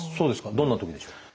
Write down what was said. どんなときでしょう？